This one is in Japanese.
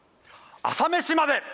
『朝メシまで。』！